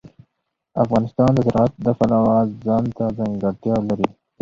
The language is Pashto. افغانستان د زراعت د پلوه ځانته ځانګړتیا لري.